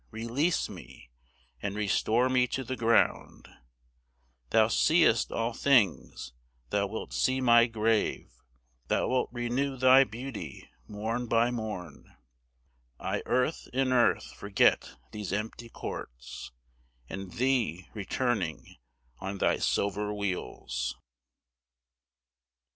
Release me, and restore me to the ground; Thou seest all things, thou wilt see my grave: Thou wilt renew thy beauty morn by morn; I earth in earth forget these empty courts, And thee returning on thy silver wheels.